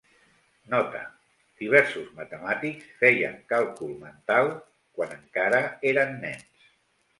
Nota: Diversos matemàtics feien càlcul mental quan encara eren nens.